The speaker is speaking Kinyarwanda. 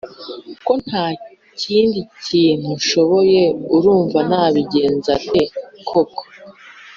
ko ntakindi kintu nshoboye urumva nabigenza nte koko!’